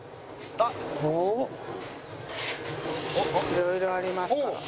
いろいろありますから。